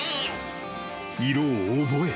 ［色を覚え］